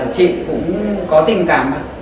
chị cũng có tình cảm